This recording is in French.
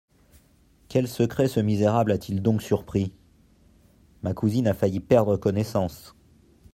Quel secret ce misérable a-t-il donc surpris ? ma cousine a failli perdre connaissance.